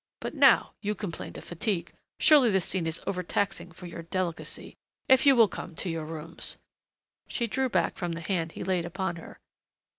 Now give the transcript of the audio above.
But now you complained of fatigue. Surely this scene is overtaxing for your delicacy. If you will come to your rooms " She drew back from the hand he laid upon her.